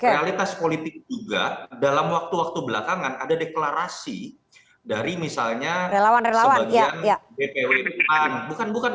realitas politik juga dalam waktu waktu belakangan ada deklarasi dari misalnya sebagian dpw pan bukan bukan